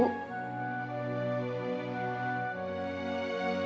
ya lagian kan kemarin